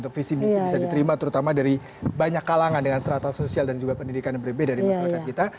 atau visi misi bisa diterima terutama dari banyak kalangan dengan serata sosial dan juga pendidikan yang berbeda di masyarakat kita